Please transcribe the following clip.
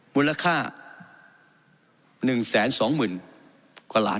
มูลค่า๑แสน๒หมื่นกว่าล้าน